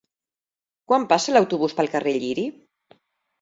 Quan passa l'autobús pel carrer Lliri?